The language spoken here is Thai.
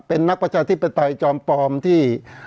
เพราะฉะนั้นประชาธิปไตยเนี่ยคือการยอมรับความเห็นที่แตกต่าง